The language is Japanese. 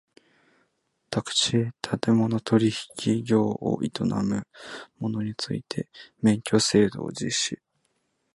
宅地建物取引業を営む者について免許制度を実施